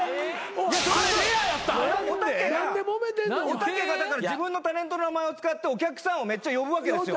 おたけが自分のタレントの名前を使ってお客さんをめっちゃ呼ぶわけですよ。